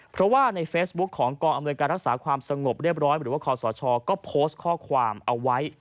เพราะว่าในเฟซบุ๊คของกองอำนวยการรักษาความสงบเรียบร้อยหรือว่าคอสชก็โพสต์ข้อความเอาไว้